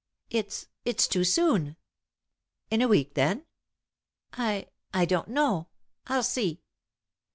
"It's it's too soon." "In a week, then?" "I I don't know. I'll see."